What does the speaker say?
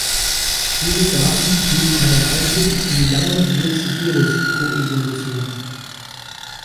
Diese Daten geben einen Einblick in die lange Wirts-Virus-Coevolution.